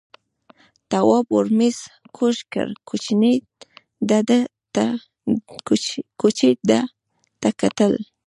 تواب ور مېږ کوږ کړ، کوچي ده ته کتل.